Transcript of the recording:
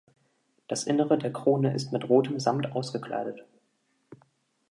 Das Innere der Krone ist mit rotem Samt ausgekleidet.